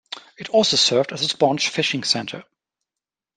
It also served as a sponge-fishing center.